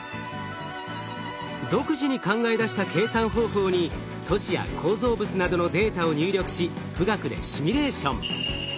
独自に考え出した計算方法に都市や構造物などのデータを入力し富岳でシミュレーション。